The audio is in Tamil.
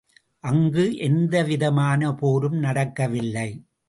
அங்கு எந்தவிதமான போரும் நடக்கவில்லை.